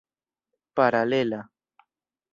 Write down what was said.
paralela